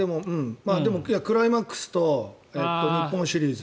でもクライマックスと日本シリーズ。